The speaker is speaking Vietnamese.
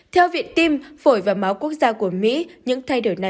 theo viện tim phổi và máu quốc gia của mỹ